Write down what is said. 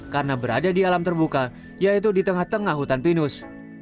karena berada di alam terbuka yaitu di tengah tengah hutan pinus